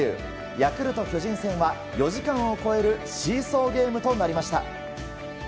ヤクルト巨人戦は４時間を超えるシーソーゲームとなりました。